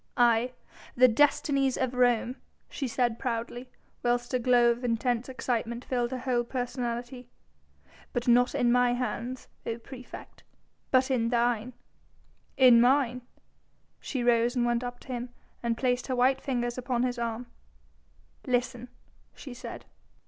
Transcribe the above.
"Aye! The destinies of Rome," she said proudly, whilst a glow of intense excitement filled her whole personality, "but not in my hands, O praefect, but in thine!" "In mine?" She rose and went up to him and placed her white fingers upon his arm. "Listen!" she said.